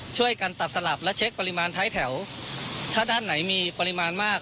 ช่วยกันตัดสลับและเช็คปริมาณท้ายแถวถ้าด้านไหนมีปริมาณมาก